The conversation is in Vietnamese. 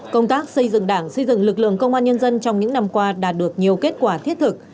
công tác xây dựng đảng xây dựng lực lượng công an nhân dân trong những năm qua đạt được nhiều kết quả thiết thực